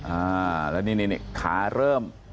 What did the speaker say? อ่าแล้วนี่นี่ขาเริ่ม